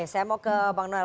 saya mau ke bang noel